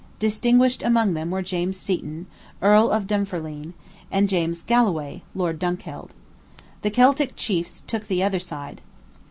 Distinguished among them were James Seton, Earl of Dunfermline, and James Galloway, Lord Dunkeld. The Celtic chiefs took the other side.